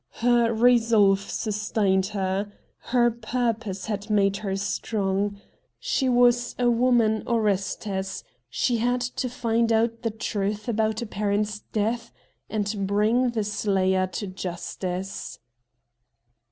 Her resolve sustained her. Her pur' pose had made her strong. She was a woman Orestes ; she had to find out the truth about a parent's death and bring the slayer to justice.